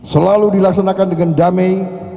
selalu dilaksanakan dengan damai